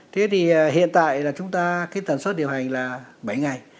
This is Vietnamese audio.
thế thì hiện tại là chúng ta cái tần suất điều hành là bảy ngày